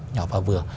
nhỏ và vừa